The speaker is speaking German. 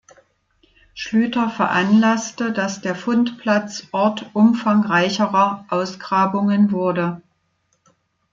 Schlüter veranlasste, dass der Fundplatz Ort umfangreicherer Ausgrabungen wurde.